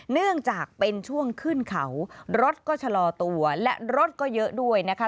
เนื่องจากเป็นช่วงขึ้นเขารถก็ชะลอตัวและรถก็เยอะด้วยนะคะ